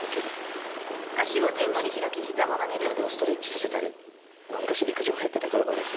こうやって少し体をストレッチさせたり昔陸上をやってた頃のですね